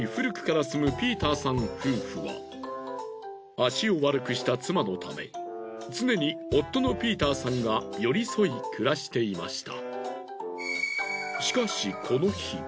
足を悪くした妻のために常に夫のピーターさんが寄り添い暮らしていました。